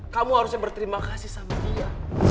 kamu harusnya berterima kasih sama dia